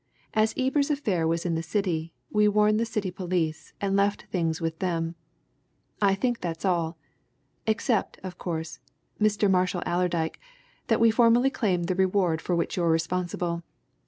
As Ebers' affair was in the City, we warned the City police and left things with them. I think that's all. Except, of course, Mr. Marshall Allerdyke, that we formally claim the reward for which you're responsible.